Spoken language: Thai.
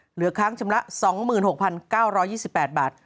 เหลือค้างชำระ๒๖๙๒๘บาท